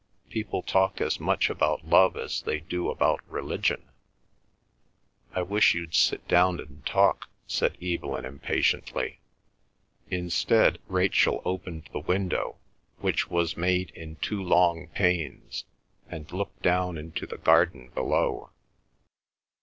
People talk as much about love as they do about religion." "I wish you'd sit down and talk," said Evelyn impatiently. Instead Rachel opened the window, which was made in two long panes, and looked down into the garden below.